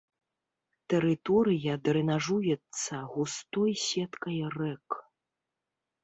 Тэрыторыя дрэнажуецца густой сеткай рэк.